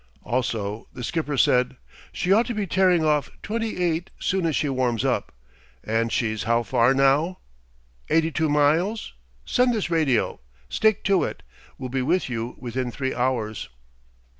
Also the skipper said: "She ought to be tearing off twenty eight soon as she warms up. And she's how far now? Eighty two miles? Send this radio: 'Stick to it will be with you within three hours.'"